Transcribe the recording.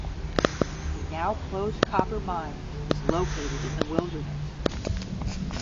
A now closed copper mine is located in the wilderness.